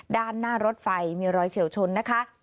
ด้านหน้ารถไฟมีรอยเฉียวชนนะคะ